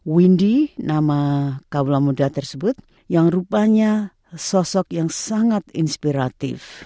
windy nama kaula muda tersebut yang rupanya sosok yang sangat inspiratif